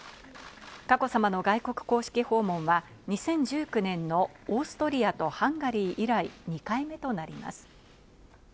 佳子さまの外国公式訪問は、２０１９年のオーストリアとハンガリー以来２回目となります。